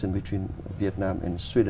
đang tìm hiểu về